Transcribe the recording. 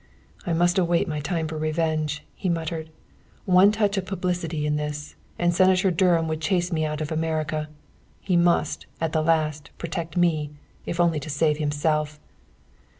"I must await my time for revenge," he muttered. "One touch of publicity in this, and Senator Dunham would chase me out of America. He must, at the last, protect me, if only to save himself."